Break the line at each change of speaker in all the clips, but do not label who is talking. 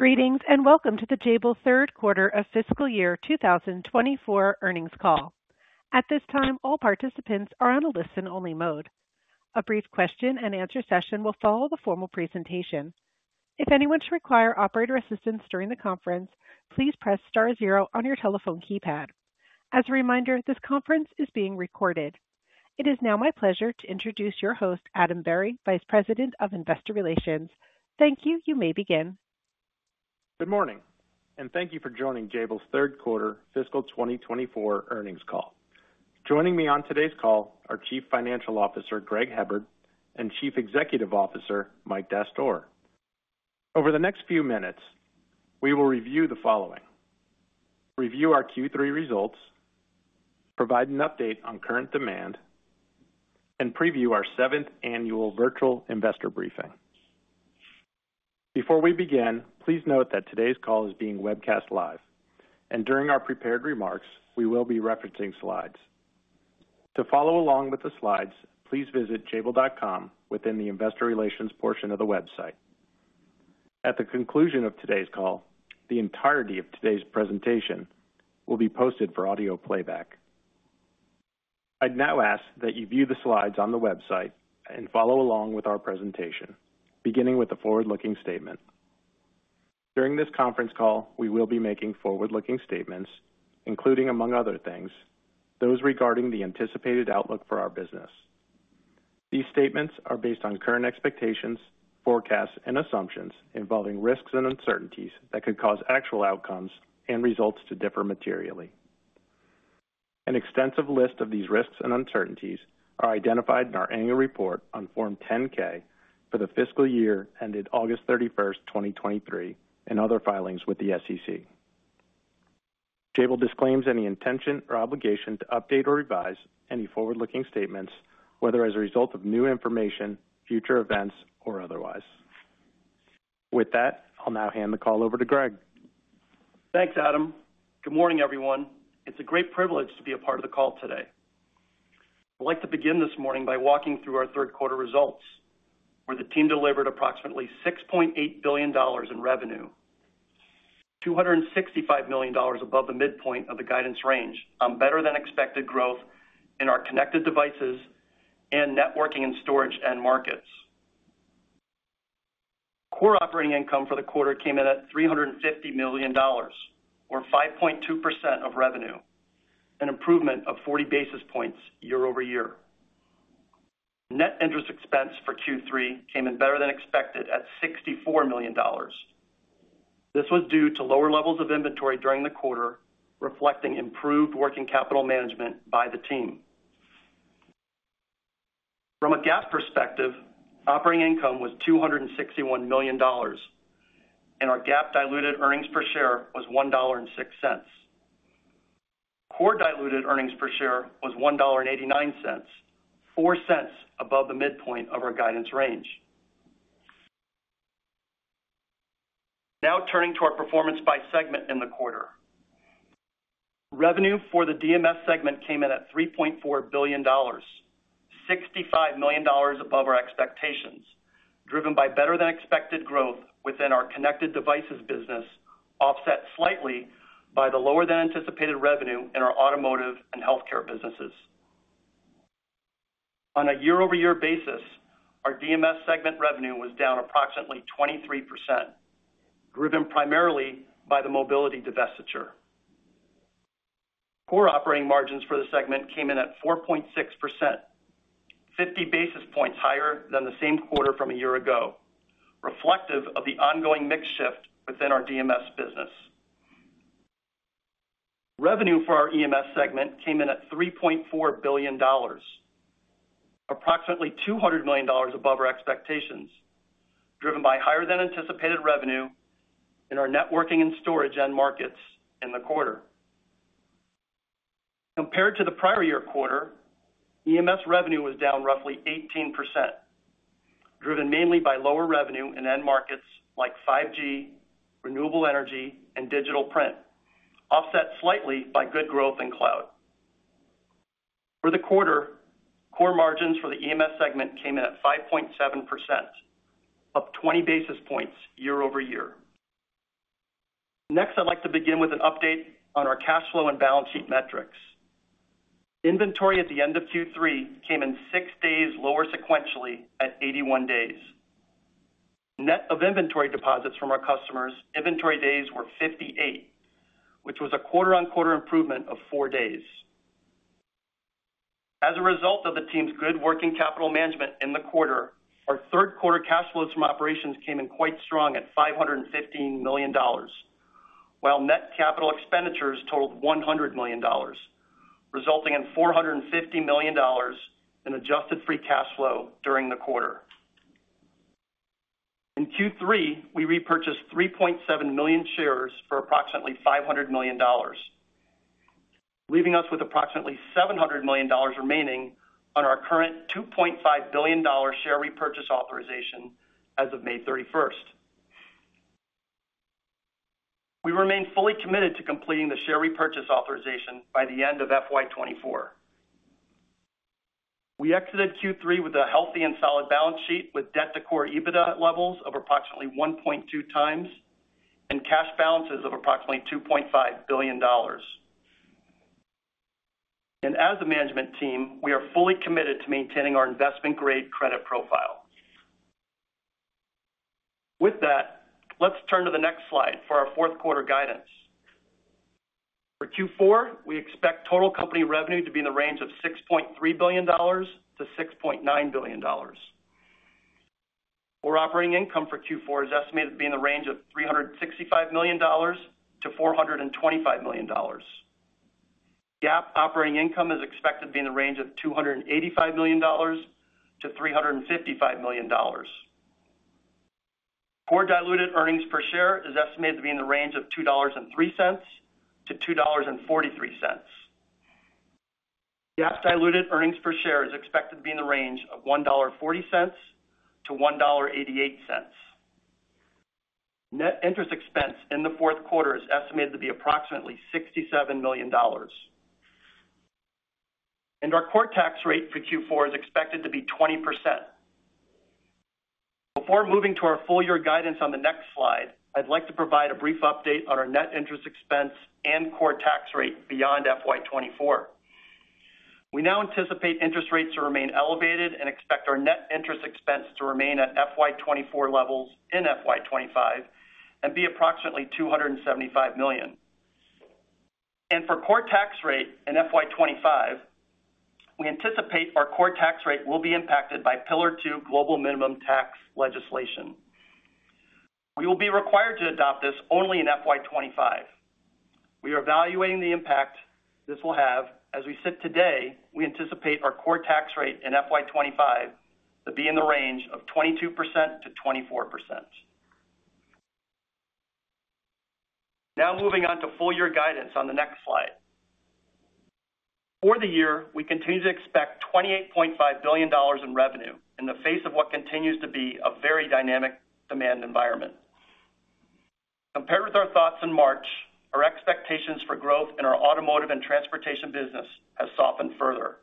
Greetings, and welcome to the Jabil Third Quarter of Fiscal Year 2024 Earnings Call. At this time, all participants are on a listen-only mode. A brief question-and-answer session will follow the formal presentation. If anyone should require operator assistance during the conference, please press star zero on your telephone keypad. As a reminder, this conference is being recorded. It is now my pleasure to introduce your host, Adam Berry, Vice President of Investor Relations. Thank you. You may begin.
Good morning, and thank you for joining Jabil's third quarter fiscal 2024 earnings call. Joining me on today's call are Chief Financial Officer, Greg Hebard, and Chief Executive Officer, Mike Dastoor. Over the next few minutes, we will review the following: review our Q3 results, provide an update on current demand, and preview our seventh annual Virtual Investor Briefing. Before we begin, please note that today's call is being webcast live, and during our prepared remarks, we will be referencing slides. To follow along with the slides, please visit jabil.com within the Investor Relations portion of the website. At the conclusion of today's call, the entirety of today's presentation will be posted for audio playback. I'd now ask that you view the slides on the website and follow along with our presentation, beginning with the forward-looking statement. During this conference call, we will be making forward-looking statements, including, among other things, those regarding the anticipated outlook for our business. These statements are based on current expectations, forecasts, and assumptions involving risks and uncertainties that could cause actual outcomes and results to differ materially. An extensive list of these risks and uncertainties are identified in our annual report on Form 10-K for the fiscal year ended August 31st, 2023, and other filings with the SEC. Jabil disclaims any intention or obligation to update or revise any forward-looking statements, whether as a result of new information, future events, or otherwise. With that, I'll now hand the call over to Greg.
Thanks, Adam. Good morning, everyone. It's a great privilege to be a part of the call today. I'd like to begin this morning by walking through our third quarter results, where the team delivered approximately $6.8 billion in revenue, $265 million above the midpoint of the guidance range on better-than-expected growth in our connected devices and networking and storage end markets. Core operating income for the quarter came in at $350 million, or 5.2% of revenue, an improvement of 40 basis points year-over-year. Net interest expense for Q3 came in better than expected at $64 million. This was due to lower levels of inventory during the quarter, reflecting improved working capital management by the team. From a GAAP perspective, operating income was $261 million, and our GAAP diluted earnings per share was $1.06. Core diluted earnings per share was $1.89, $0.04 above the midpoint of our guidance range. Now turning to our performance by segment in the quarter. Revenue for the DMS segment came in at $3.4 billion, $65 million above our expectations, driven by better-than-expected growth within our connected devices business, offset slightly by the lower-than-anticipated revenue in our automotive and healthcare businesses. On a year-over-year basis, our DMS segment revenue was down approximately 23%, driven primarily by the mobility divestiture. Core operating margins for the segment came in at 4.6%, 50 basis points higher than the same quarter from a year ago, reflective of the ongoing mix shift within our DMS business. Revenue for our EMS segment came in at $3.4 billion, approximately $200 million above our expectations, driven by higher-than-anticipated revenue in our networking and storage end markets in the quarter. Compared to the prior year quarter, EMS revenue was down roughly 18%, driven mainly by lower revenue in end markets like 5G, renewable energy, and digital print, offset slightly by good growth in cloud. For the quarter, core margins for the EMS segment came in at 5.7%, up 20 basis points year-over-year. Next, I'd like to begin with an update on our cash flow and balance sheet metrics. Inventory at the end of Q3 came in six days lower sequentially at 81 days. Net of inventory deposits from our customers, inventory days were 58, which was a quarter-on-quarter improvement of four days. As a result of the team's good working capital management in the quarter, our third quarter cash flows from operations came in quite strong at $515 million, while net capital expenditures totaled $100 million, resulting in $450 million in adjusted free cash flow during the quarter. In Q3, we repurchased 3.7 million shares for approximately $500 million, leaving us with approximately $700 million remaining on our current $2.5 billion share repurchase authorization as of May 31st. We remain fully committed to completing the share repurchase authorization by the end of FY 2024. We exited Q3 with a healthy and solid balance sheet, with debt to Core EBITDA levels of approximately 1.2 times and cash balances of approximately $2.5 billion. As a management team, we are fully committed to maintaining our investment-grade credit profile. With that, let's turn to the next slide for our fourth quarter guidance. For Q4, we expect total company revenue to be in the range of $6.3 billion-$6.9 billion. Core operating income for Q4 is estimated to be in the range of $365 million-$425 million. GAAP operating income is expected to be in the range of $285 million-$355 million. Core diluted earnings per share is estimated to be in the range of $2.03-$2.43. GAAP diluted earnings per share is expected to be in the range of $1.40-$1.88. Net interest expense in the fourth quarter is estimated to be approximately $67 million. Our core tax rate for Q4 is expected to be 20%. Before moving to our full year guidance on the next slide, I'd like to provide a brief update on our net interest expense and core tax rate beyond FY 2024. We now anticipate interest rates to remain elevated and expect our net interest expense to remain at FY 2024 levels in FY 2025, and be approximately $275 million. For core tax rate in FY 2025, we anticipate our core tax rate will be impacted by Pillar Two global minimum tax legislation. We will be required to adopt this only in FY 2025. We are evaluating the impact this will have. As we sit today, we anticipate our core tax rate in FY 2025 to be in the range of 22%-24%. Now, moving on to full year guidance on the next slide. For the year, we continue to expect $28.5 billion in revenue in the face of what continues to be a very dynamic demand environment. Compared with our thoughts in March, our expectations for growth in our automotive and transportation business has softened further.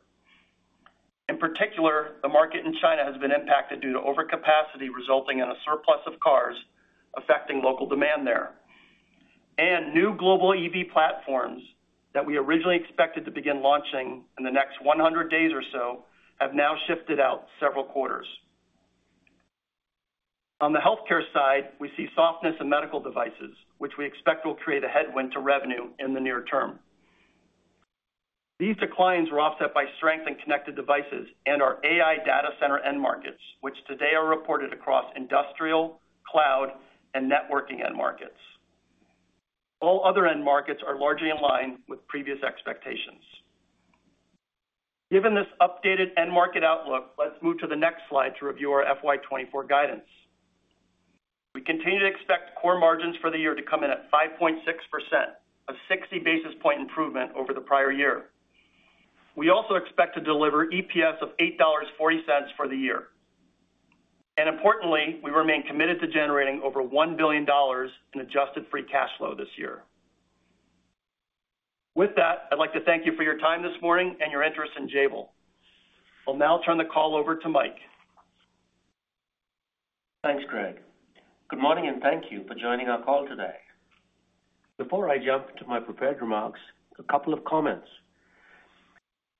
In particular, the market in China has been impacted due to overcapacity, resulting in a surplus of cars affecting local demand there. New global EV platforms that we originally expected to begin launching in the next 100 days or so have now shifted out several quarters. On the healthcare side, we see softness in medical devices, which we expect will create a headwind to revenue in the near term. These declines were offset by strength in connected devices and our AI data center end markets, which today are reported across industrial, cloud, and networking end markets. All other end markets are largely in line with previous expectations. Given this updated end market outlook, let's move to the next slide to review our FY 2024 guidance. We continue to expect core margins for the year to come in at 5.6%, a 60 basis point improvement over the prior year. We also expect to deliver EPS of $8.40 for the year. And importantly, we remain committed to generating over $1 billion in adjusted free cash flow this year. With that, I'd like to thank you for your time this morning and your interest in Jabil. I'll now turn the call over to Mike.
Thanks, Greg. Good morning, and thank you for joining our call today. Before I jump to my prepared remarks, a couple of comments.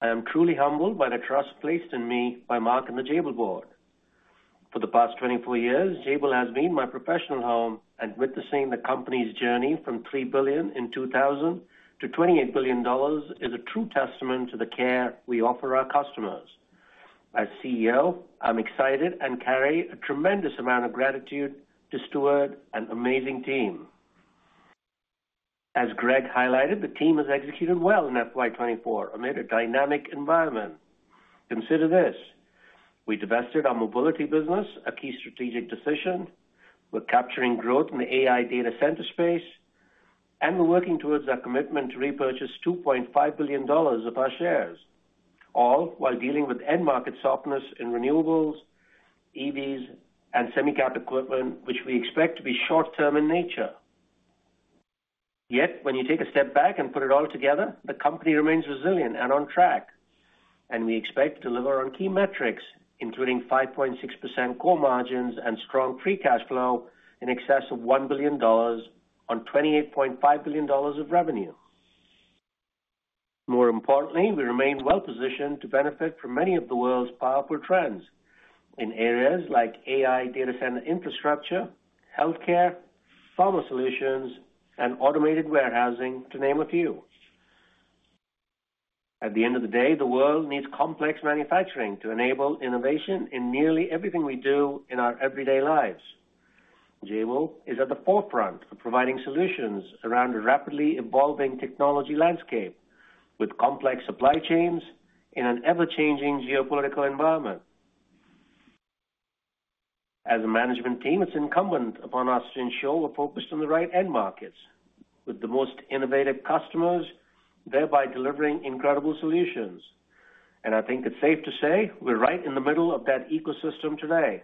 I am truly humbled by the trust placed in me by Mark and the Jabil board. For the past 24 years, Jabil has been my professional home, and witnessing the company's journey from $3 billion in 2000 to $28 billion is a true testament to the care we offer our customers. As CEO, I'm excited and carry a tremendous amount of gratitude to steward an amazing team. As Greg highlighted, the team has executed well in FY 2024 amid a dynamic environment. Consider this: we divested our mobility business, a key strategic decision. We're capturing growth in the AI data center space, and we're working towards our commitment to repurchase $2.5 billion of our shares, all while dealing with end market softness in renewables, EVs, and semicap equipment, which we expect to be short term in nature. Yet, when you take a step back and put it all together, the company remains resilient and on track, and we expect to deliver on key metrics, including 5.6% core margins and strong free cash flow in excess of $1 billion on $28.5 billion of revenue. More importantly, we remain well positioned to benefit from many of the world's powerful trends in areas like AI data center infrastructure, healthcare, pharma solutions, and automated warehousing, to name a few. At the end of the day, the world needs complex manufacturing to enable innovation in nearly everything we do in our everyday lives. Jabil is at the forefront of providing solutions around a rapidly evolving technology landscape, with complex supply chains in an ever-changing geopolitical environment. As a management team, it's incumbent upon us to ensure we're focused on the right end markets with the most innovative customers, thereby delivering incredible solutions. And I think it's safe to say we're right in the middle of that ecosystem today.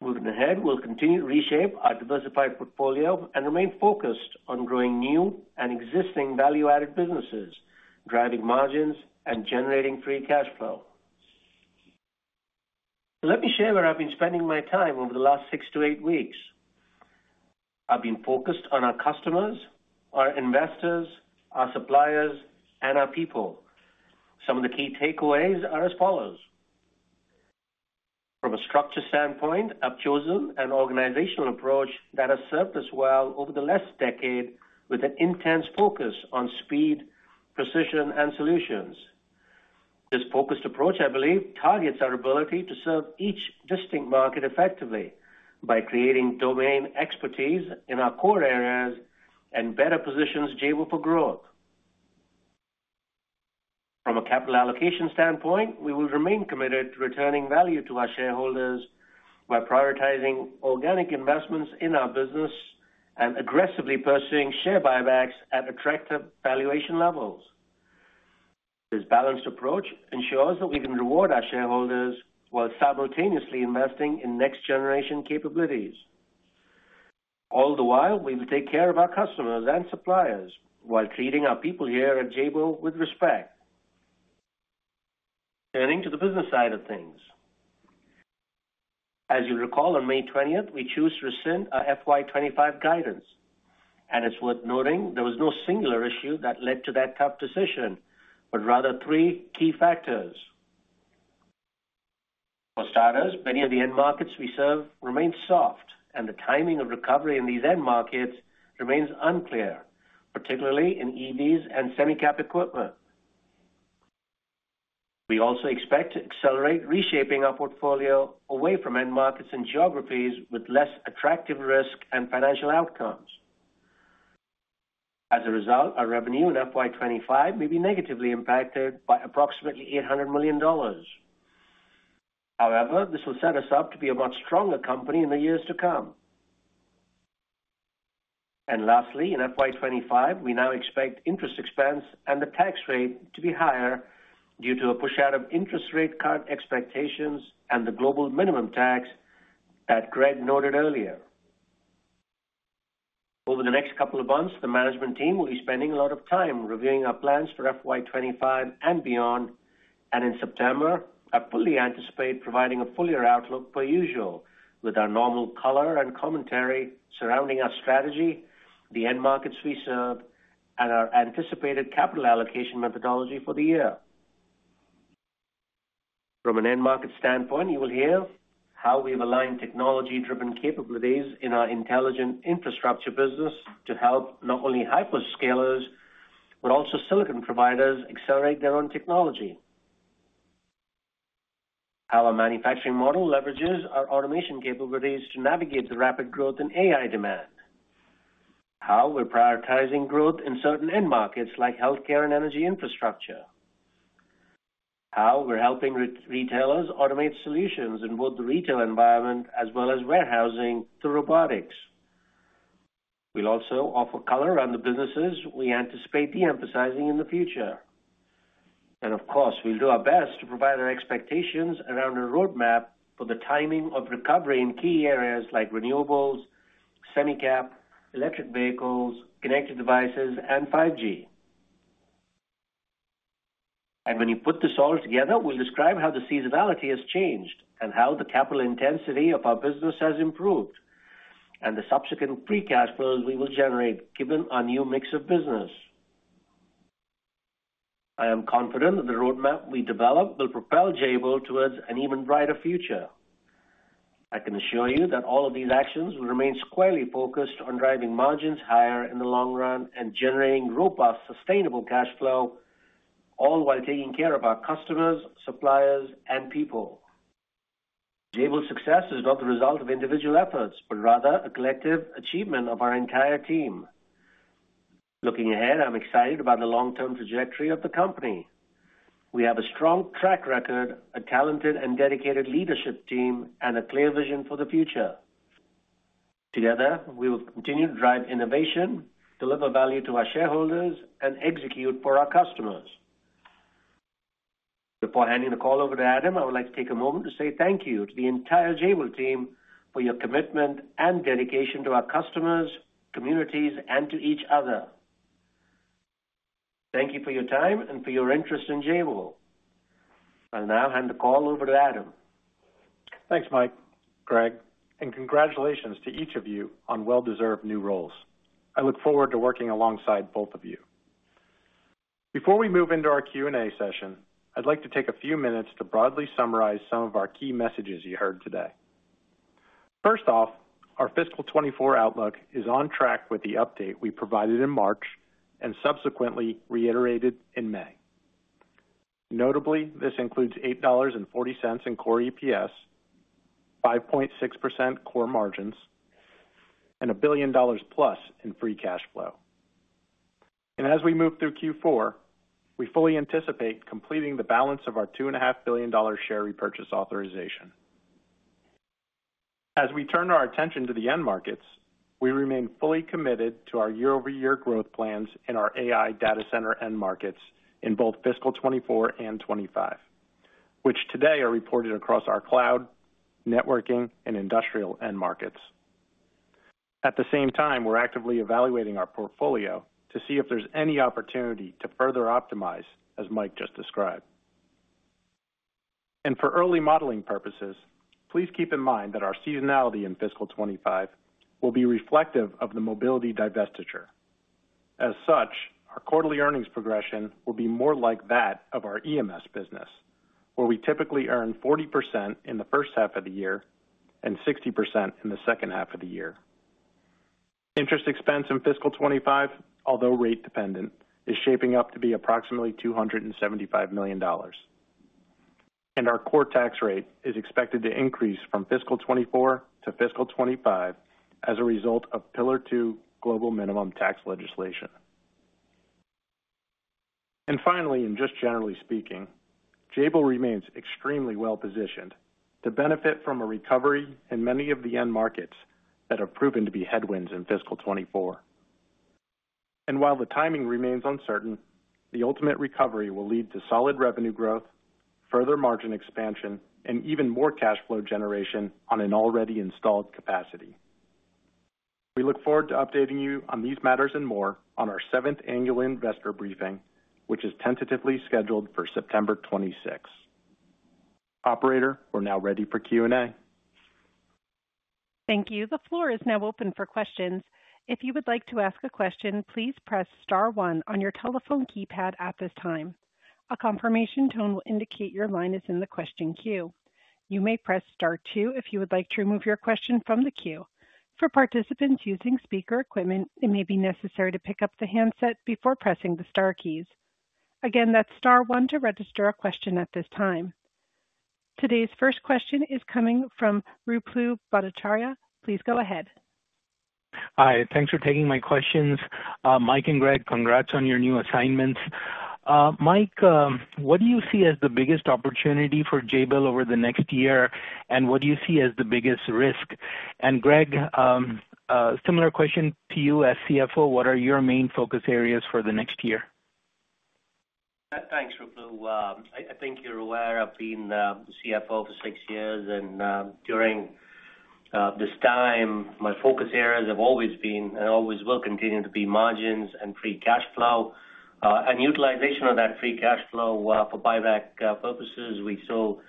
Moving ahead, we'll continue to reshape our diversified portfolio and remain focused on growing new and existing value-added businesses, driving margins, and generating free cash flow. Let me share where I've been spending my time over the last six to eight weeks. I've been focused on our customers, our investors, our suppliers, and our people. Some of the key takeaways are as follows: From a structure standpoint, I've chosen an organizational approach that has served us well over the last decade, with an intense focus on speed, precision, and solutions. This focused approach, I believe, targets our ability to serve each distinct market effectively by creating domain expertise in our core areas and better positions Jabil for growth. From a capital allocation standpoint, we will remain committed to returning value to our shareholders by prioritizing organic investments in our business and aggressively pursuing share buybacks at attractive valuation levels. This balanced approach ensures that we can reward our shareholders while simultaneously investing in next-generation capabilities. All the while, we will take care of our customers and suppliers while treating our people here at Jabil with respect. Turning to the business side of things, as you recall, on May 20th, we chose to rescind our FY 2025 guidance, and it's worth noting there was no singular issue that led to that tough decision, but rather three key factors. For starters, many of the end markets we serve remain soft, and the timing of recovery in these end markets remains unclear, particularly in EVs and semi cap equipment. We also expect to accelerate reshaping our portfolio away from end markets and geographies with less attractive risk and financial outcomes. As a result, our revenue in FY 2025 may be negatively impacted by approximately $800 million. However, this will set us up to be a much stronger company in the years to come. Lastly, in FY 25, we now expect interest expense and the tax rate to be higher due to a push out of interest rate current expectations and the global minimum tax that Greg noted earlier. Over the next couple of months, the management team will be spending a lot of time reviewing our plans for FY 2025 and beyond, and in September, I fully anticipate providing a fuller outlook per usual with our normal color and commentary surrounding our strategy, the end markets we serve, and our anticipated capital allocation methodology for the year. From an end market standpoint, you will hear how we've aligned technology-driven capabilities in our Intelligent Infrastructure business to help not only hyperscalers, but also silicon providers accelerate their own technology. How our manufacturing model leverages our automation capabilities to navigate the rapid growth in AI demand, how we're prioritizing growth in certain end markets like healthcare and energy infrastructure, how we're helping retailers automate solutions in both the retail environment as well as warehousing through robotics. We'll also offer color around the businesses we anticipate de-emphasizing in the future. And of course, we'll do our best to provide our expectations around a roadmap for the timing of recovery in key areas like renewables, semi cap, electric vehicles, connected devices, and 5G. And when you put this all together, we'll describe how the seasonality has changed and how the capital intensity of our business has improved, and the subsequent free cash flows we will generate, given our new mix of business. I am confident that the roadmap we develop will propel Jabil towards an even brighter future. I can assure you that all of these actions will remain squarely focused on driving margins higher in the long run and generating robust, sustainable cash flow, all while taking care of our customers, suppliers, and people. Jabil's success is not the result of individual efforts, but rather a collective achievement of our entire team. Looking ahead, I'm excited about the long-term trajectory of the company. We have a strong track record, a talented and dedicated leadership team, and a clear vision for the future. Together, we will continue to drive innovation, deliver value to our shareholders, and execute for our customers. Before handing the call over to Adam, I would like to take a moment to say thank you to the entire Jabil team for your commitment and dedication to our customers, communities, and to each other. Thank you for your time and for your interest in Jabil. I'll now hand the call over to Adam.
Thanks, Mike, Greg, and congratulations to each of you on well-deserved new roles. I look forward to working alongside both of you. Before we move into our Q&A session, I'd like to take a few minutes to broadly summarize some of our key messages you heard today. First off, our fiscal 2024 outlook is on track with the update we provided in March and subsequently reiterated in May. Notably, this includes $8.40 in core EPS, 5.6% core margins, and $1 billion+ in free cash flow. And as we move through Q4, we fully anticipate completing the balance of our $2.5 billion share repurchase authorization. As we turn our attention to the end markets, we remain fully committed to our year-over-year growth plans in our AI data center end markets in both fiscal 2024 and 2025, which today are reported across our cloud, networking, and industrial end markets. At the same time, we're actively evaluating our portfolio to see if there's any opportunity to further optimize, as Mike just described. And for early modeling purposes, please keep in mind that our seasonality in fiscal 2025 will be reflective of the mobility divestiture. As such, our quarterly earnings progression will be more like that of our EMS business, where we typically earn 40% in the first half of the year and 60% in the second half of the year. Interest expense in fiscal 2025, although rate dependent, is shaping up to be approximately $275 million, and our core tax rate is expected to increase from fiscal 2024 to fiscal 2025 as a result of Pillar Two global minimum tax legislation. And finally, and just generally speaking, Jabil remains extremely well positioned to benefit from a recovery in many of the end markets that have proven to be headwinds in fiscal 2024. And while the timing remains uncertain, the ultimate recovery will lead to solid revenue growth, further margin expansion, and even more cash flow generation on an already installed capacity. We look forward to updating you on these matters and more on our seventh annual investor briefing, which is tentatively scheduled for September 26th. Operator, we're now ready for Q&A.
Thank you. The floor is now open for questions. If you would like to ask a question, please press star one on your telephone keypad at this time. A confirmation tone will indicate your line is in the question queue. You may press star two if you would like to remove your question from the queue. For participants using speaker equipment, it may be necessary to pick up the handset before pressing the star keys. Again, that's star one to register a question at this time. Today's first question is coming from Ruplu Bhattacharya. Please go ahead.
Hi, thanks for taking my questions. Mike and Greg, congrats on your new assignments. Mike, what do you see as the biggest opportunity for Jabil over the next year, and what do you see as the biggest risk? And Greg, similar question to you. As CFO, what are your main focus areas for the next year?
Thanks, Ruplu. I think you're aware I've been the CFO for six years, and during this time, my focus areas have always been and always will continue to be margins and free cash flow, and utilization of that free cash flow for buyback purposes. We so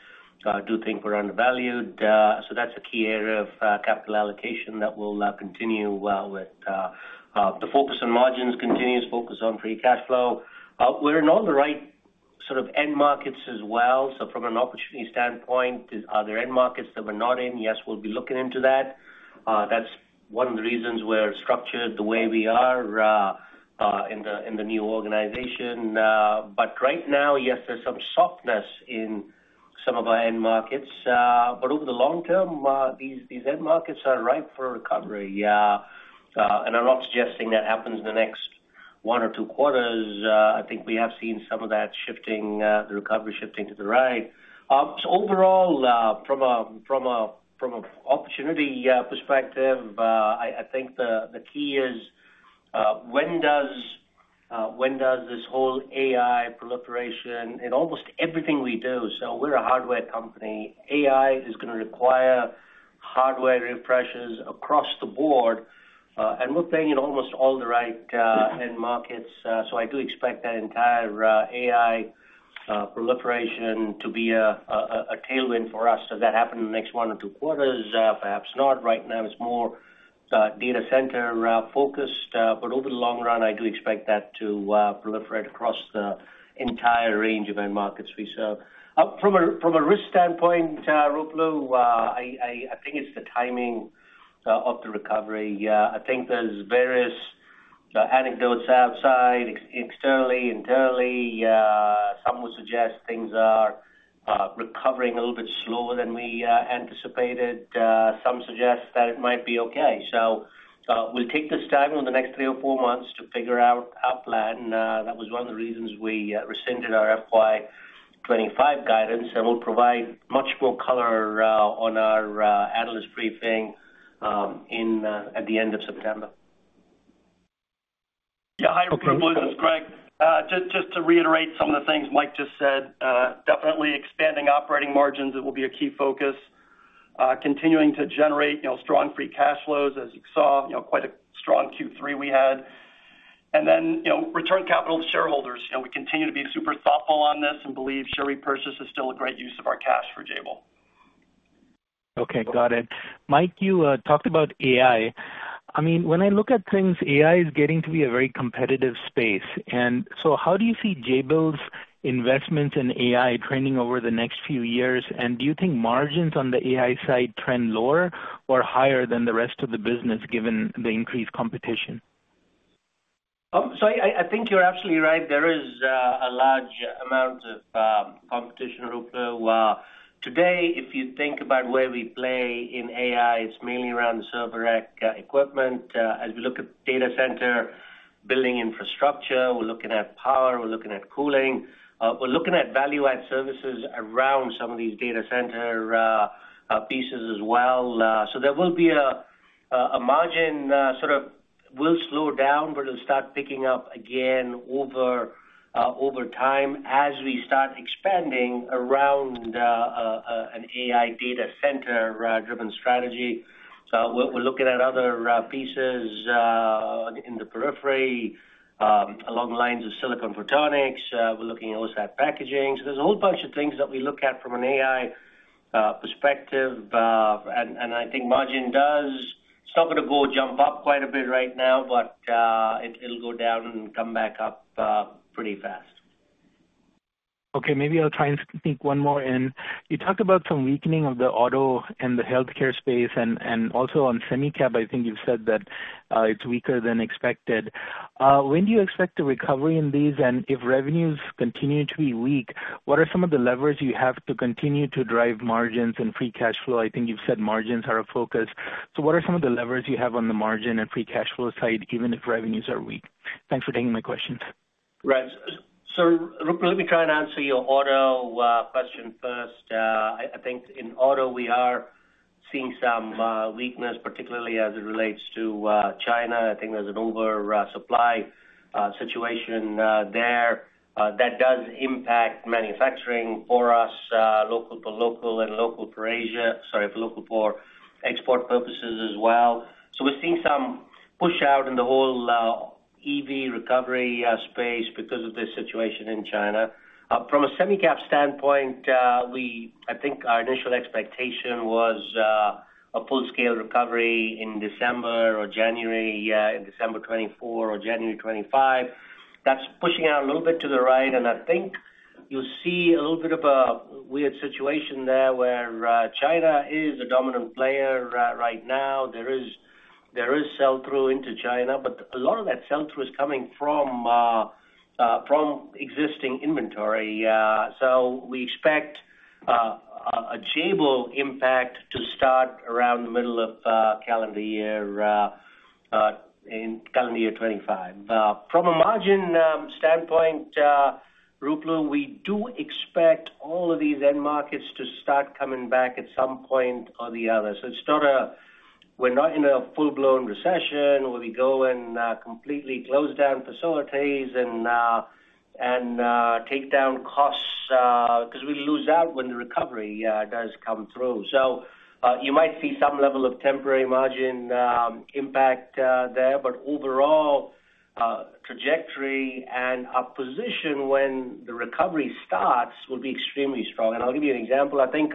do think we're undervalued. So that's a key area of capital allocation that will continue well with the focus on margins, continuous focus on free cash flow. We're in all the right sort of end markets as well. So from an opportunity standpoint, are there end markets that we're not in? Yes, we'll be looking into that. That's one of the reasons we're structured the way we are in the new organization. But right now, yes, there's some softness in some of our end markets, but over the long term, these end markets are ripe for a recovery. And I'm not suggesting that happens in the next one or two quarters. I think we have seen some of that shifting, the recovery shifting to the right. So overall, from an opportunity perspective, I think the key is, when does this whole AI proliferation in almost everything we do, so we're a hardware company. AI is gonna require hardware refreshes across the board, and we're playing in almost all the right end markets. So I do expect that entire AI proliferation to be a tailwind for us. Does that happen in the next one or two quarters? Perhaps not. Right now, it's more data center focused, but over the long run, I do expect that to proliferate across the entire range of end markets we serve. From a risk standpoint, Ruplu, I think it's the timing of the recovery. I think there's various anecdotes outside, externally, internally. Some would suggest things are recovering a little bit slower than we anticipated. Some suggest that it might be okay. So, we'll take this time over the next three or four months to figure out our plan. That was one of the reasons we rescinded our FY 2025 guidance, and we'll provide much more color on our analyst briefing at the end of September.
Yeah. Hi, Ruplu, this is Greg. Just, just to reiterate some of the things Mike just said, definitely expanding operating margins, it will be a key focus. Continuing to generate, you know, strong free cash flows. As you saw, you know, quite a strong Q3 we had. And then, you know, return capital to shareholders. You know, we continue to be super thoughtful on this and believe share repurchase is still a great use of our cash for Jabil.
Okay, got it. Mike, you talked about AI. I mean, when I look at things, AI is getting to be a very competitive space, and so how do you see Jabil's investments in AI trending over the next few years? And do you think margins on the AI side trend lower or higher than the rest of the business, given the increased competition?
So I think you're absolutely right. There is a large amount of competition, Ruplu. Today, if you think about where we play in AI, it's mainly around the server rack equipment. As we look at data center building infrastructure, we're looking at power, we're looking at cooling, we're looking at value-add services around some of these data center pieces as well. So there will be a margin sort of will slow down, but it'll start picking up again over time as we start expanding around an AI data center driven strategy. So we're looking at other pieces in the periphery, along the lines of silicon photonics. We're looking at OSAT packaging. So there's a whole bunch of things that we look at from an AI perspective, and I think margin does. It's not gonna go jump up quite a bit right now, but it, it'll go down and come back up pretty fast.
Okay, maybe I'll try and sneak one more in. You talked about some weakening of the auto and the healthcare space, and also on semi cap, I think you've said that it's weaker than expected. When do you expect a recovery in these? And if revenues continue to be weak, what are some of the levers you have to continue to drive margins and free cash flow? I think you've said margins are a focus. So what are some of the levers you have on the margin and free cash flow side, even if revenues are weak? Thanks for taking my questions.
Right. So let me try and answer your auto question first. I think in auto, we are seeing some weakness, particularly as it relates to China. I think there's an over supply situation there that does impact manufacturing for us, local to local and local for Asia, sorry, for local for export purposes as well. So we're seeing some push out in the whole EV recovery space because of this situation in China. From a semi cap standpoint, we—I think our initial expectation was a full-scale recovery in December or January, in December 2024 or January 2025. That's pushing out a little bit to the right, and I think you'll see a little bit of a weird situation there, where China is a dominant player right now. There is sell-through into China, but a lot of that sell-through is coming from existing inventory. So we expect a Jabil impact to start around the middle of calendar year 2025. From a margin standpoint, Ruplu, we do expect all of these end markets to start coming back at some point or the other. So it's not a... We're not in a full-blown recession, where we go and completely close down facilities and take down costs because we lose out when the recovery does come through. So you might see some level of temporary margin impact there, but overall trajectory and our position when the recovery starts will be extremely strong. And I'll give you an example. I think,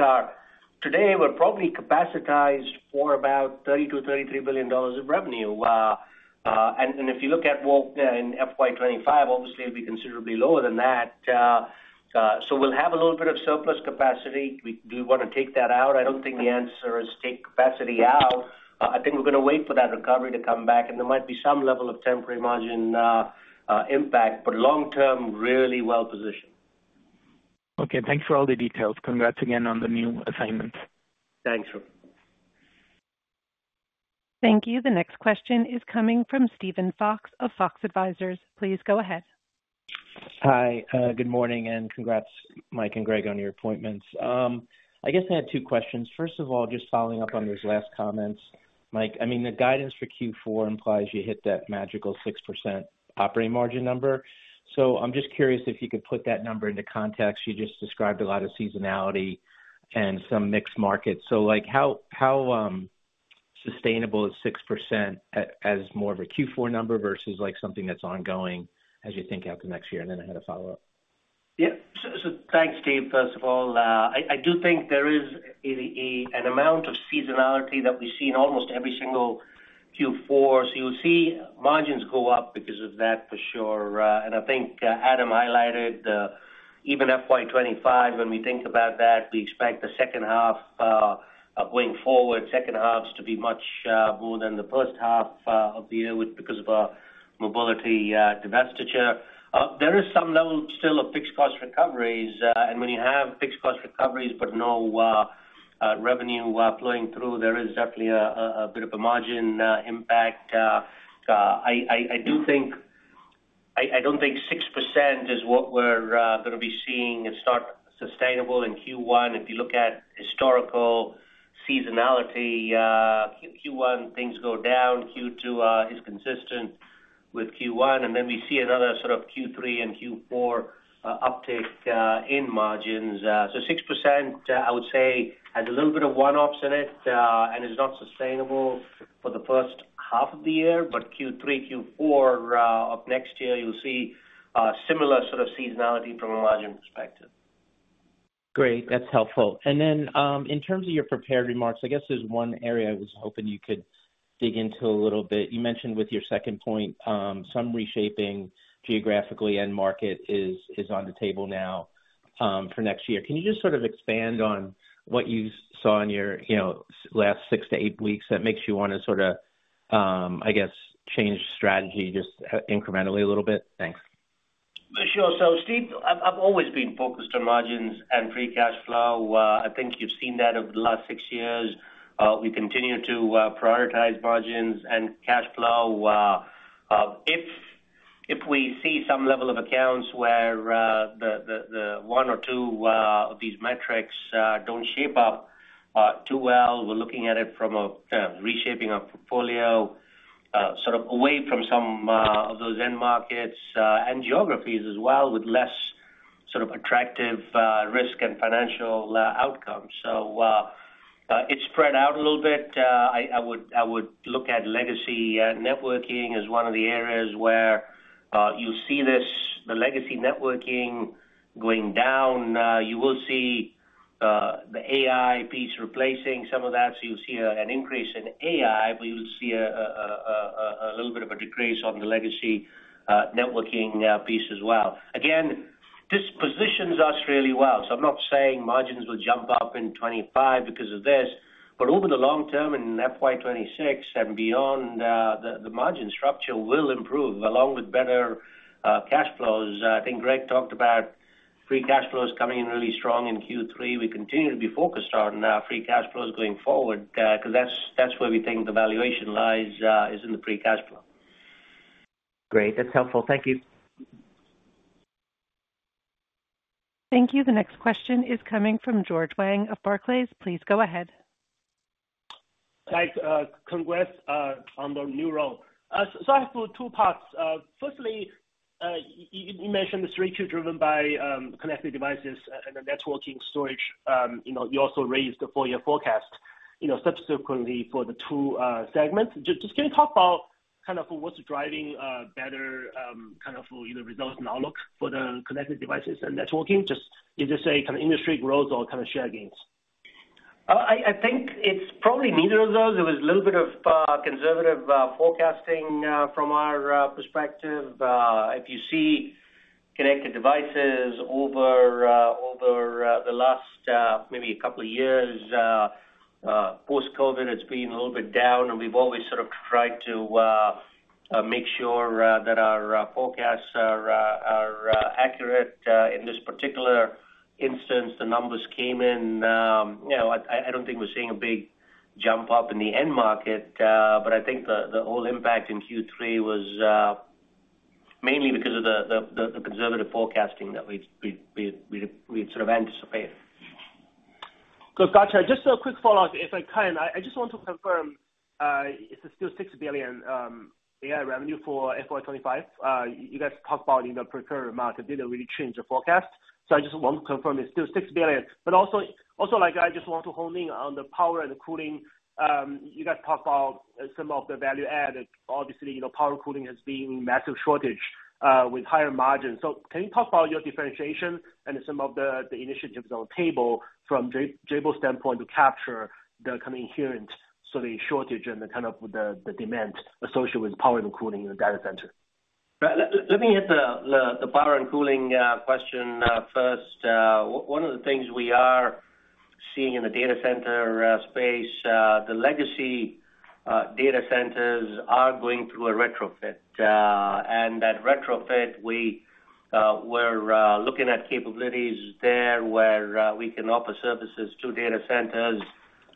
today, we're probably capacitized for about $30 billion-$33 billion of revenue. And if you look at, well, in FY 2025, obviously, it'll be considerably lower than that. So we'll have a little bit of surplus capacity. Do we want to take that out? I don't think the answer is take capacity out. I think we're gonna wait for that recovery to come back, and there might be some level of temporary margin impact, but long term, really well positioned.
Okay, thanks for all the details. Congrats again on the new assignments.
Thanks, Ruplu.
Thank you. The next question is coming from Steven Fox of Fox Advisors. Please go ahead.
Hi, good morning, and congrats, Mike and Greg, on your appointments. I guess I had two questions. First of all, just following up on those last comments, Mike, I mean, the guidance for Q4 implies you hit that magical 6% operating margin number. So I'm just curious if you could put that number into context. You just described a lot of seasonality and some mixed markets. So, like, how sustainable is 6% as more of a Q4 number versus, like, something that's ongoing as you think out the next year? And then I had a follow-up.
Yeah. So thanks, Steve. First of all, I do think there is an amount of seasonality that we see in almost every single Q4. So you'll see margins go up because of that, for sure. And I think Adam highlighted even FY 2025, when we think about that, we expect the second half going forward, second halves to be much more than the first half of the year with because of our mobility divestiture. There is some level still of fixed cost recoveries, and when you have fixed cost recoveries but no revenue flowing through, there is definitely a bit of a margin impact. I do think. I don't think 6% is what we're gonna be seeing and start sustainable in Q1. If you look at historical seasonality, Q1, things go down. Q2 is consistent with Q1, and then we see another sort of Q3 and Q4 uptick in margins. So 6%, I would say, has a little bit of one-offs in it, and is not sustainable for the first half of the year, but Q3, Q4 of next year, you'll see similar sort of seasonality from a margin perspective.
Great, that's helpful. And then, in terms of your prepared remarks, I guess there's 1 area I was hoping you could dig into a little bit. You mentioned with your second point, some reshaping geographically and end-market is on the table now, for next year. Can you just sort of expand on what you saw in your, you know, last six to eight weeks that makes you want to sort of, I guess, change strategy just, incrementally a little bit? Thanks.
Sure. So, Steve, I've always been focused on margins and free cash flow. I think you've seen that over the last six years. We continue to prioritize margins and cash flow. If we see some level of accounts where the one or two of these metrics don't shape up too well, we're looking at it from a reshaping our portfolio sort of away from some of those end markets and geographies as well, with less sort of attractive risk and financial outcomes. So, it spread out a little bit. I would look at legacy networking as one of the areas where you see this, the legacy networking going down. You will see the AI piece replacing some of that. So you'll see an increase in AI, but you'll see a little bit of a decrease on the legacy networking piece as well. Again, this positions us really well. So I'm not saying margins will jump up in 25 because of this, but over the long term, in FY 2026 and beyond, the margin structure will improve, along with better cash flows. I think Greg talked about free cash flows coming in really strong in Q3. We continue to be focused on free cash flows going forward, because that's where we think the valuation lies, is in the free cash flow.
Great. That's helpful. Thank you.
Thank you. The next question is coming from George Wang of Barclays. Please go ahead.
Thanks. Congrats on the new role. So I have two parts. Firstly, you mentioned the straight Q, driven by connected devices and the networking storage. You know, you also raised the full year forecast, you know, subsequently for the two segments. Just can you talk about kind of what's driving better kind of either results and outlook for the connected devices and networking? Just, is this a kind of industry growth or kind of share gains?
I think it's probably neither of those. There was a little bit of conservative forecasting from our perspective. If you see connected devices over the last maybe a couple of years post-COVID, it's been a little bit down, and we've always sort of tried to make sure that our forecasts are accurate. In this particular instance, the numbers came in. You know, I don't think we're seeing a big jump up in the end market, but I think the whole impact in Q3 was mainly because of the conservative forecasting that we'd sort of anticipated.
Good. Gotcha. Just a quick follow-up, if I can. I just want to confirm, is it still $6 billion AI revenue for FY 2025? You guys talked about in the preferred market, it didn't really change the forecast, so I just want to confirm it's still $6 billion. But also, like, I just want to hone in on the power and cooling. You guys talked about some of the value add. Obviously, you know, power cooling has been massive shortage, with higher margins. So can you talk about your differentiation and some of the initiatives on the table from Jabil standpoint to capture the coming inherent, so the shortage and the kind of the demand associated with power and cooling in the data center?
Let me hit the power and cooling question first. One of the things we are seeing in the data center space, the legacy data centers are going through a retrofit. And that retrofit we're looking at capabilities there, where we can offer services to data centers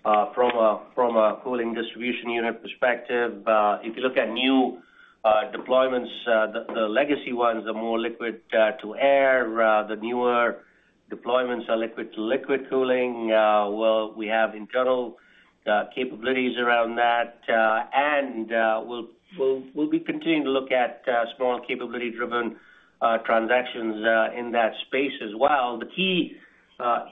from a cooling distribution unit perspective. If you look at new deployments, the legacy ones are more liquid to air. The newer deployments are liquid-to-liquid cooling. Well, we have internal capabilities around that, and we'll be continuing to look at small capability-driven transactions in that space as well. The key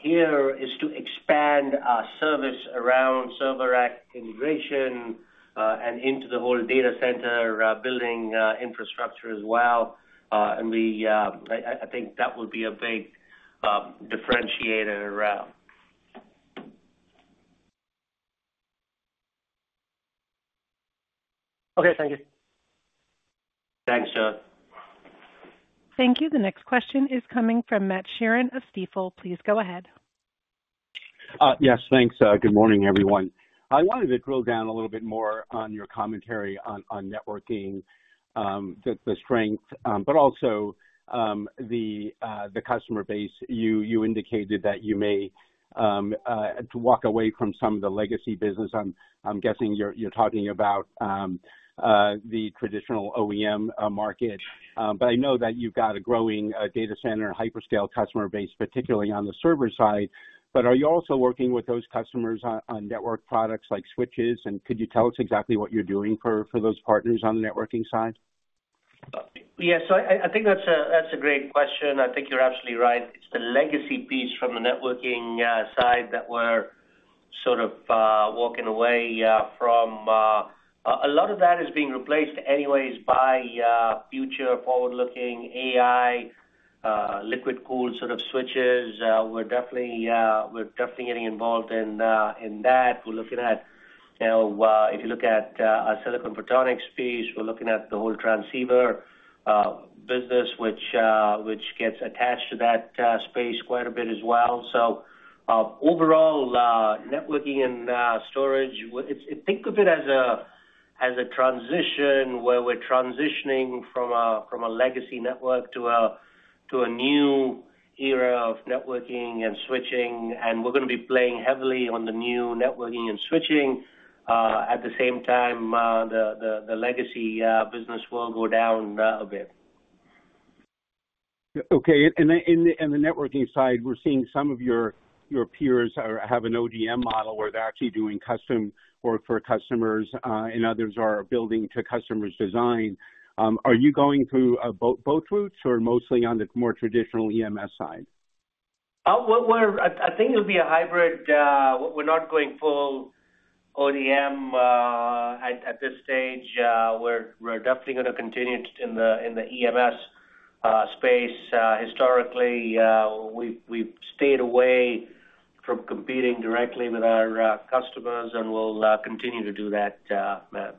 here is to expand our service around server rack integration and into the whole data center building infrastructure as well. And I think that would be a big differentiator around.
Okay, thank you.
Thanks, George.
Thank you. The next question is coming from Matt Sheerin of Stifel. Please go ahead.
Yes, thanks. Good morning, everyone. I wanted to drill down a little bit more on your commentary on networking, the strength, but also, the customer base. You indicated that you may walk away from some of the legacy business. I'm guessing you're talking about the traditional OEM market. But I know that you've got a growing data center, hyperscale customer base, particularly on the server side. But are you also working with those customers on network products like switches? And could you tell us exactly what you're doing for those partners on the networking side?
Yeah, so I think that's a great question. I think you're absolutely right. It's the legacy piece from the networking side that we're sort of walking away from. A lot of that is being replaced anyways by future forward-looking AI liquid cooled sort of switches. We're definitely getting involved in that. We're looking at, you know, if you look at our silicon photonics piece, we're looking at the whole transceiver business, which gets attached to that space quite a bit as well. So, overall, networking and storage, think of it as a, as a transition where we're transitioning from a legacy network to a new era of networking and switching, and we're gonna be playing heavily on the new networking and switching. At the same time, the legacy business will go down a bit.
Okay. And then in the networking side, we're seeing some of your peers have an ODM model, where they're actually doing custom work for customers, and others are building to customers' design. Are you going through both routes, or mostly on the more traditional EMS side?
I think it'll be a hybrid. We're not going full ODM at this stage. We're definitely gonna continue in the EMS space. Historically, we've stayed away from competing directly with our customers, and we'll continue to do that, Matt.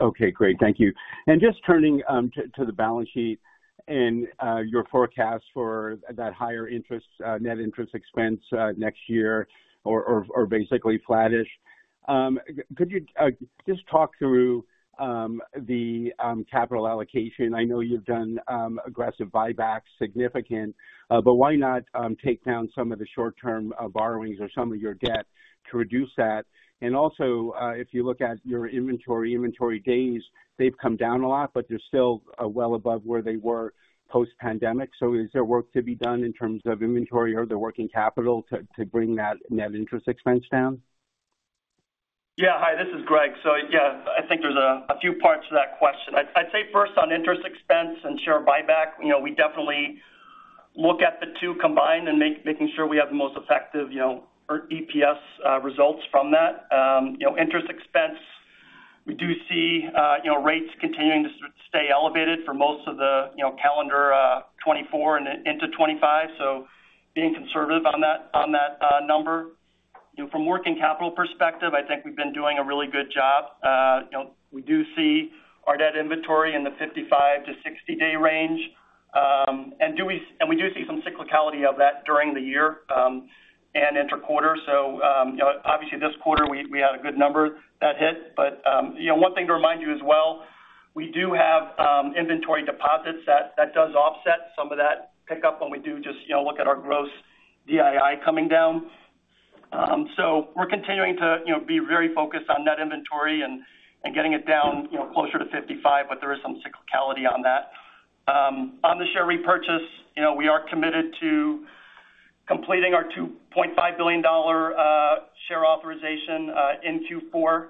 Okay, great. Thank you. And just turning to the balance sheet and your forecast for that higher interest net interest expense next year or basically flattish. Could you just talk through the capital allocation? I know you've done aggressive buybacks, significant, but why not take down some of the short-term borrowings or some of your debt to reduce that? And also, if you look at your inventory, inventory days, they've come down a lot, but they're still well above where they were post-pandemic. So is there work to be done in terms of inventory or the working capital to bring that net interest expense down?
Yeah. Hi, this is Greg. So, yeah, I think there's a few parts to that question. I'd say first on interest expense and share buyback, you know, we definitely look at the two combined and making sure we have the most effective, you know, EPS results from that. You know, interest expense, we do see, you know, rates continuing to sort of stay elevated for most of the, you know, calendar 2024 and into 2025, so being conservative on that, on that number. You know, from working capital perspective, I think we've been doing a really good job. You know, we do see our DII in the 55-60-day range. And we do see some cyclicality of that during the year, and inter quarter. So, you know, obviously, this quarter, we had a good number that hit. But, you know, one thing to remind you as well, we do have inventory deposits. That does offset some of that pickup when we do just, you know, look at our gross DII coming down. So we're continuing to, you know, be very focused on net inventory and getting it down, you know, closer to 55, but there is some cyclicality on that. On the share repurchase, you know, we are committed to completing our $2.5 billion share authorization in Q4.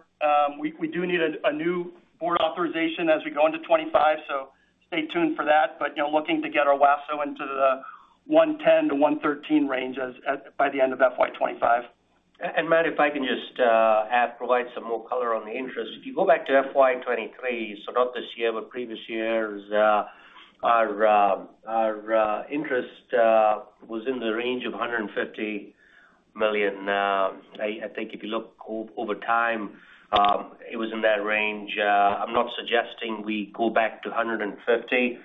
We do need a new board authorization as we go into 2025, so stay tuned for that. But, you know, looking to get our WASO into the 110-113 range by the end of FY 2025.
And, Matt, if I can just add, provide some more color on the interest. If you go back to FY 2023, so not this year, but previous years, our interest was in the range of $150 million. I think if you look over time, it was in that range. I'm not suggesting we go back to $150 million.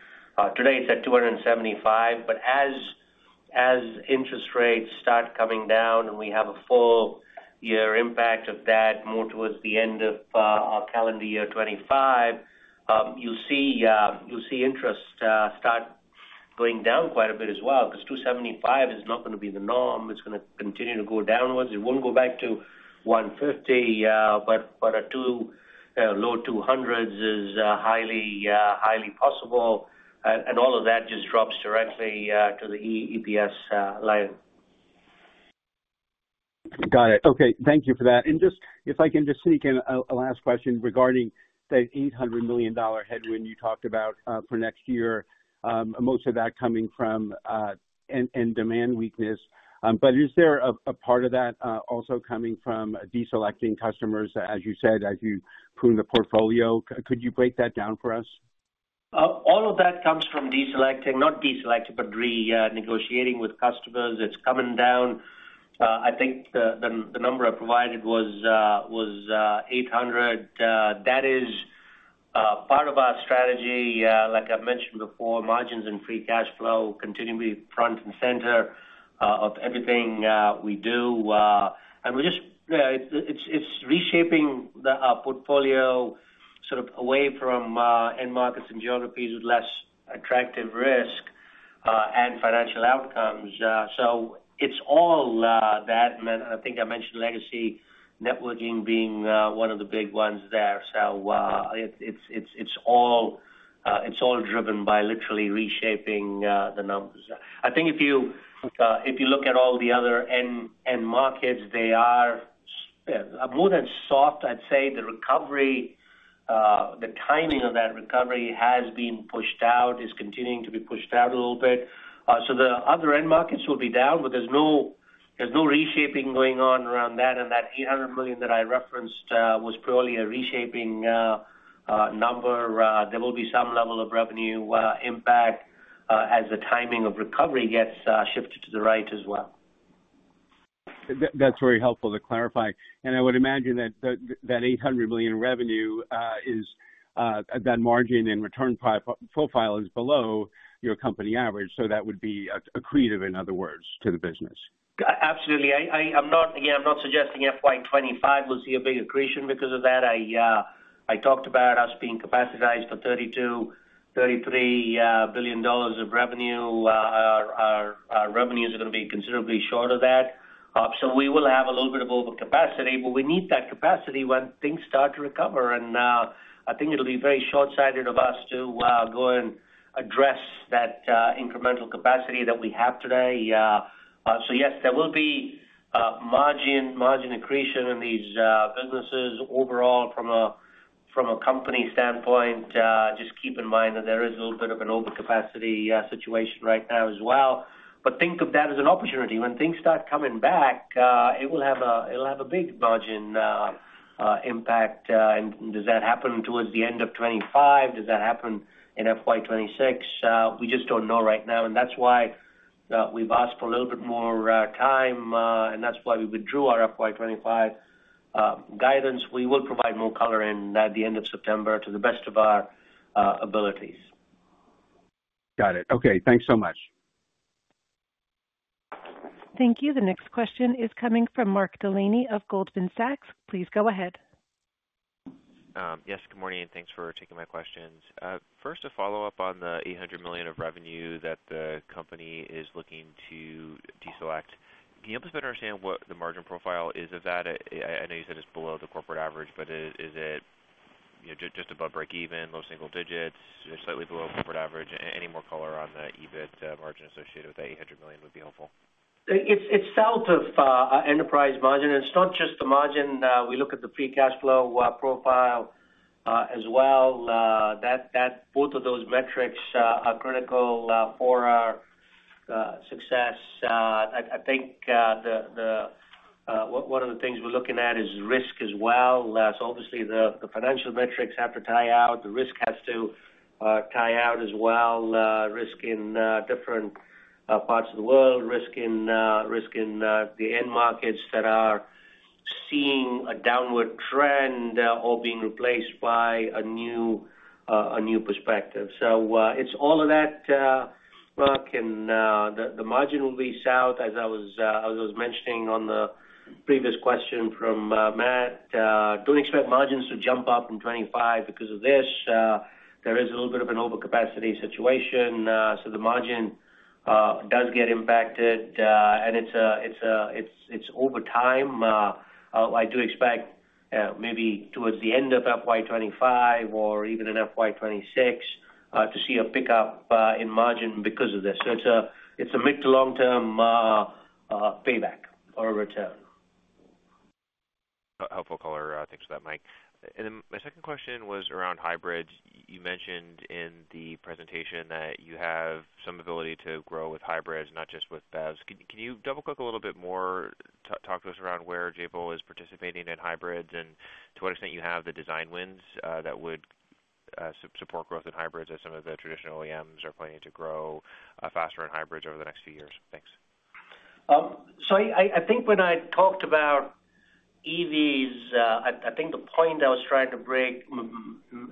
Today, it's at $275 million, but as interest rates start coming down and we have a full year impact of that, more towards the end of our calendar year 2025, you'll see interest start going down quite a bit as well, 'cause 275 is not gonna be the norm. It's gonna continue to go downwards. It won't go back to $1.50, but a low $2.00s is highly possible. And all of that just drops directly to the EPS line.
Got it. Okay, thank you for that. And just, if I can just sneak in a last question regarding that $800 million headwind you talked about for next year. Most of that coming from end demand weakness. But is there a part of that also coming from deselecting customers, as you said, as you prune the portfolio? Could you break that down for us?
All of that comes from deselecting, not deselecting, but negotiating with customers. It's coming down. I think the number I provided was $800. That is part of our strategy. Like I mentioned before, margins and free cash flow continue to be front and center of everything we do. It's reshaping our portfolio sort of away from end markets and geographies with less attractive risk and financial outcomes. So it's all that, and I think I mentioned legacy networking being one of the big ones there. So it's all driven by literally reshaping the numbers. I think if you look at all the other end markets, they are more than soft. I'd say the recovery, the timing of that recovery has been pushed out, is continuing to be pushed out a little bit. So the other end markets will be down, but there's no reshaping going on around that, and that $800 million that I referenced was purely a reshaping number. There will be some level of revenue impact as the timing of recovery gets shifted to the right as well.
That's very helpful to clarify. I would imagine that $800 million in revenue is that margin and return profile is below your company average, so that would be accretive, in other words, to the business?
Absolutely. I'm not, again, I'm not suggesting FY 2025 will see a big accretion because of that. I talked about us being capacitized for $32 billion-$33 billion of revenue. Our revenues are gonna be considerably short of that. So we will have a little bit of overcapacity, but we need that capacity when things start to recover, and I think it'll be very shortsighted of us to go and address that incremental capacity that we have today. So yes, there will be margin accretion in these businesses overall from a company standpoint. Just keep in mind that there is a little bit of an overcapacity situation right now as well. But think of that as an opportunity. When things start coming back, it'll have a big margin impact. Does that happen towards the end of 2025? Does that happen in FY 2026? We just don't know right now, and that's why we've asked for a little bit more time, and that's why we withdrew our FY 2025 guidance. We will provide more color at the end of September, to the best of our abilities.
Got it. Okay, thanks so much.
Thank you. The next question is coming from Mark Delaney of Goldman Sachs. Please go ahead.
Yes, good morning, and thanks for taking my questions. First, a follow-up on the $800 million of revenue that the company is looking to deselect. Can you help us better understand what the margin profile is of that? I know you said it's below the corporate average, but is it, you know, just above breakeven, low single digits, slightly below corporate average? Any more color on the EBIT margin associated with that $800 million would be helpful.
It's south of enterprise margin, and it's not just the margin. We look at the free cash flow profile as well. Both of those metrics are critical for our success. I think one of the things we're looking at is risk as well. So obviously, the financial metrics have to tie out, the risk has to tie out as well, risk in different parts of the world, risk in the end markets that are seeing a downward trend, or being replaced by a new perspective. So, it's all of that, Mark, and the margin will be south, as I was mentioning on the previous question from Matt. Don't expect margins to jump up in 2025 because of this. There is a little bit of an overcapacity situation, so the margin does get impacted, and it's a, it's over time. I do expect, maybe towards the end of FY 2025 or even in FY 2026, to see a pickup in margin because of this. So it's a, it's a mid- to long-term payback or a return.
Helpful color. Thanks for that, Mike. Then my second question was around hybrids. You mentioned in the presentation that you have some ability to grow with hybrids, not just with BEVs. Can you double-click a little bit more, talk to us around where Jabil is participating in hybrids, and to what extent you have the design wins that would support growth in hybrids, as some of the traditional OEMs are planning to grow faster in hybrids over the next few years? Thanks.
So I think when I talked about EVs, I think the point I was trying to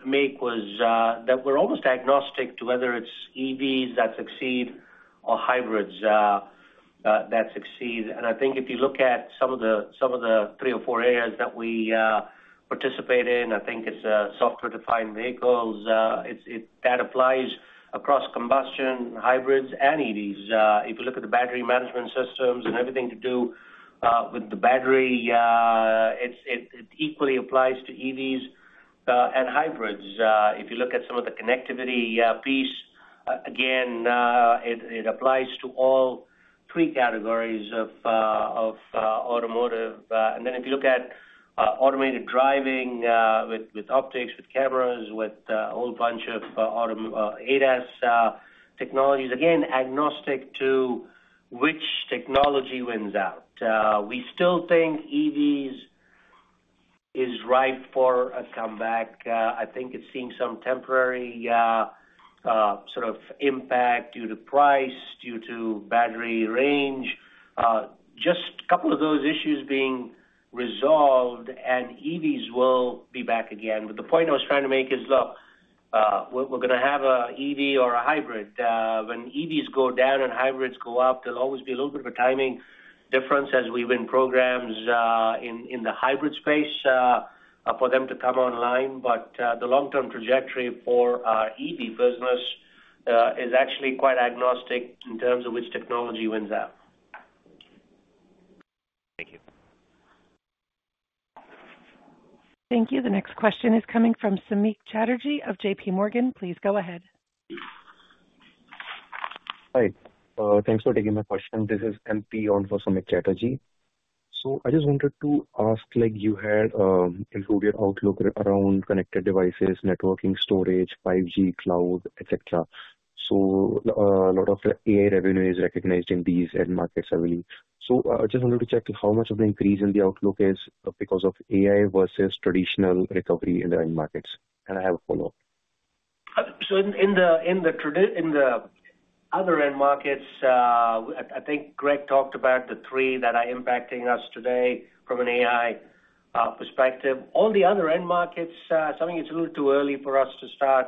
make was that we're almost agnostic to whether it's EVs that succeed or hybrids that succeed. And I think if you look at some of the three or four areas that we participate in, I think it's software-defined vehicles that applies across combustion, hybrids, and EVs. If you look at the battery management systems and everything to do with the battery, it equally applies to EVs and hybrids. If you look at some of the connectivity piece, again, it applies to all three categories of automotive. And then if you look at automated driving with optics with cameras with a whole bunch of auto ADAS technologies, again, agnostic to which technology wins out. We still think EVs is ripe for a comeback. I think it's seeing some temporary sort of impact due to price, due to battery range. Just a couple of those issues being resolved, and EVs will be back again. But the point I was trying to make is, look, we're gonna have a EV or a hybrid. When EVs go down and hybrids go up, there'll always be a little bit of a timing difference as we win programs in the hybrid space for them to come online. The long-term trajectory for our EV business is actually quite agnostic in terms of which technology wins out.
Thank you.
Thank you. The next question is coming from Samik Chatterjee of JPMorgan. Please go ahead.
Hi, thanks for taking my question. This is MP on for Samik Chatterjee. So I just wanted to ask, like, you had included outlook around connected devices, networking, storage, 5G, cloud, et cetera. So, a lot of the AI revenue is recognized in these end markets, I believe. So I just wanted to check how much of the increase in the outlook is because of AI versus traditional recovery in the end markets? And I have a follow-up.
In the other end markets, I think Greg talked about the three that are impacting us today from an AI perspective. All the other end markets, so it's a little too early for us to start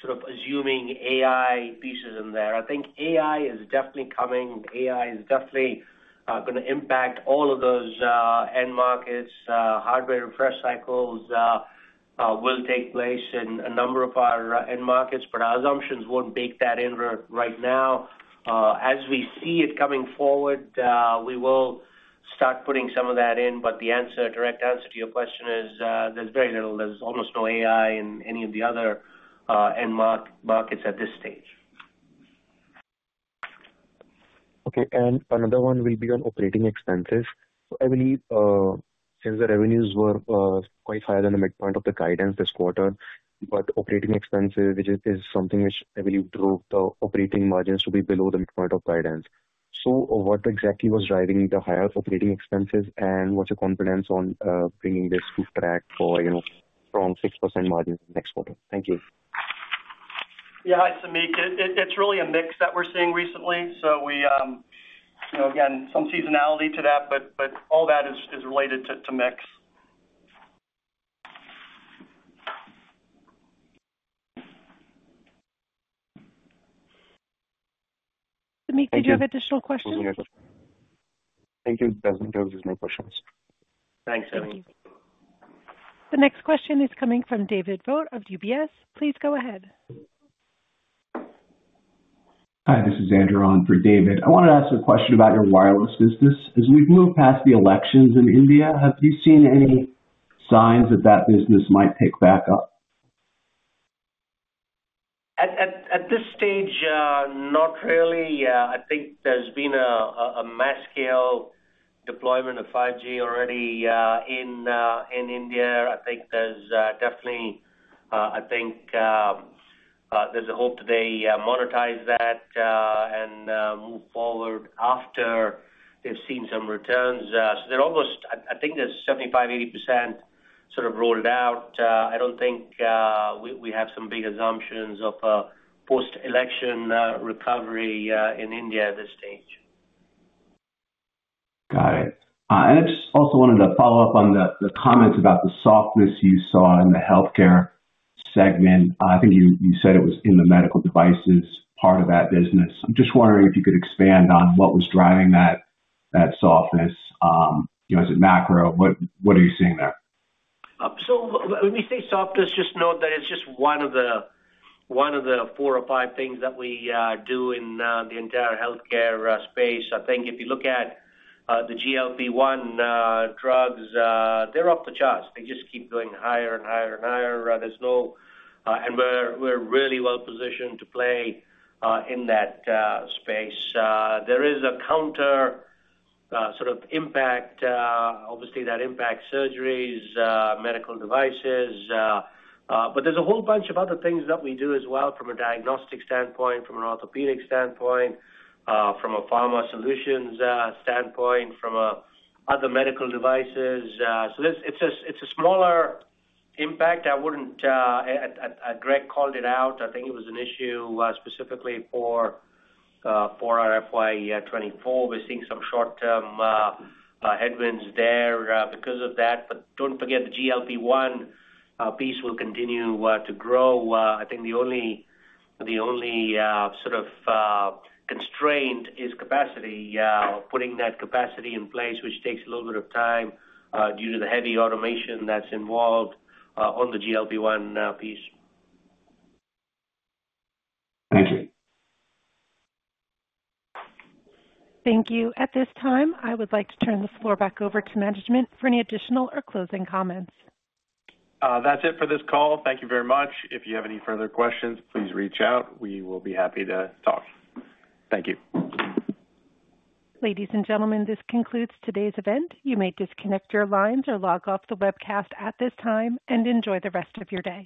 sort of assuming AI pieces in there. I think AI is definitely coming. AI is definitely gonna impact all of those end markets. Hardware refresh cycles will take place in a number of our end markets, but our assumptions won't bake that in right now. As we see it coming forward, we will start putting some of that in, but the direct answer to your question is, there's very little. There's almost no AI in any of the other end markets at this stage.
Okay, and another one will be on operating expenses. I believe, since the revenues were quite higher than the midpoint of the guidance this quarter, but operating expenses, which is, is something which I believe drove the operating margins to be below the midpoint of guidance. So what exactly was driving the higher operating expenses, and what's your confidence on bringing this to track for, you know, strong 6% margins next quarter? Thank you.
Yeah. Hi, Samik. It's really a mix that we're seeing recently. So we, you know, again, some seasonality to that, but all that is related to mix.
Samik, do you have additional questions?
Thank you. That's it. There's no more questions.
Thanks, Samik.
Thank you. The next question is coming from David Vogt of UBS. Please go ahead.
Hi, this is Andrew on for David. I wanted to ask a question about your wireless business. As we've moved past the elections in India, have you seen any signs that that business might pick back up?
At this stage, not really. I think there's been a mass scale deployment of 5G already in India. I think there's definitely. I think there's a hope that they monetize that and move forward after they've seen some returns. So they're almost, I think they're 75%-80% sort of rolled out. I don't think we have some big assumptions of a post-election recovery in India at this stage.
Got it. I just also wanted to follow up on the comments about the softness you saw in the healthcare segment. I think you said it was in the medical devices part of that business. I'm just wondering if you could expand on what was driving that softness. You know, is it macro? What are you seeing there?
So when we say softness, just note that it's just one of the, one of the four or five things that we do in the entire healthcare space. I think if you look at the GLP-1 drugs, they're off the charts. They just keep going higher and higher and higher. There's no. And we're really well positioned to play in that space. There is a counter sort of impact obviously that impacts surgeries, medical devices, but there's a whole bunch of other things that we do as well from a diagnostic standpoint, from an orthopedic standpoint, from a pharma solutions standpoint, from other medical devices. So this, it's a, it's a smaller impact. I wouldn't. Greg called it out. I think it was an issue, specifically for our FY 2024. We're seeing some short-term headwinds there because of that. But don't forget, the GLP-1 piece will continue to grow. I think the only sort of constraint is capacity. Putting that capacity in place, which takes a little bit of time, due to the heavy automation that's involved, on the GLP-1 piece.
Thank you.
Thank you. At this time, I would like to turn the floor back over to management for any additional or closing comments.
That's it for this call. Thank you very much. If you have any further questions, please reach out. We will be happy to talk. Thank you.
Ladies and gentlemen, this concludes today's event. You may disconnect your lines or log off the webcast at this time, and enjoy the rest of your day.